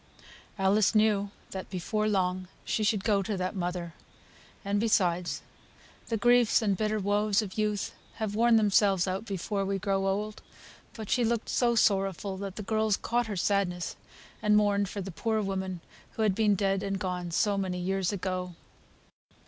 Alice knew that before long she should go to that mother; and, besides, the griefs and bitter woes of youth have worn themselves out before we grow old; but she looked so sorrowful that the girls caught her sadness, and mourned for the poor woman who had been dead and gone so many years ago.